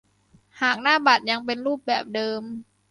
หากหน้าบัตรยังเป็นรูปแบบเดิม